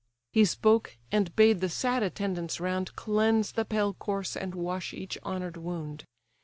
He spoke, and bade the sad attendants round Cleanse the pale corse, and wash each honour'd wound.